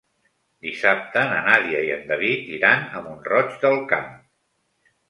Dissabte na Nàdia i en David iran a Mont-roig del Camp.